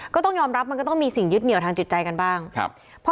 ก็ต้องยอมรับมันก็ต้องมีสิ่งยึดเหนียวทางจิตใจกันบ้างครับ